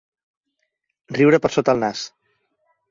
Riure per sota el nas.